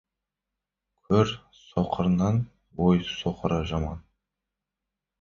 Көз соқырынан ой соқыры жаман.